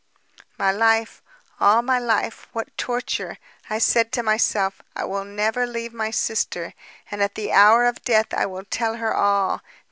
"My life, all my life ... what torture! I said to myself: 'I will never leave my sister. And at the hour of death I will tell her all